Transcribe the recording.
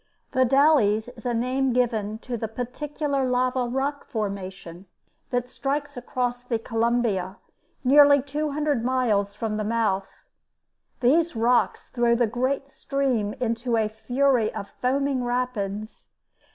The Dalles is a name given to the peculiar lava rock formation that strikes across the Columbia, nearly two hundred miles from the mouth. These rocks throw the great stream into a fury of foaming rapids.